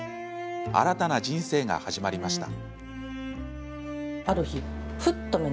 新たな人生が始まりました。